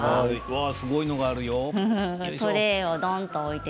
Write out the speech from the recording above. わあ、すごいのがあるよ。